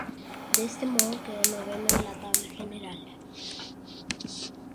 De este modo, quedó noveno en la tabla general.